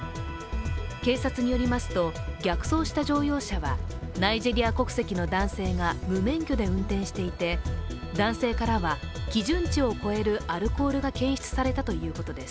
警察によりますと、逆走した乗用車はナイジェリア国籍の男性が無免許で運転していて、男性からは基準値を超えるアルコールが検出されたということです。